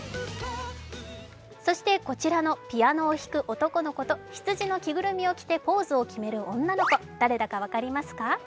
そして、こちらのピアノを弾く男の子とひつじの着ぐるみを着てポーズを決める女の子誰だか分かりますか？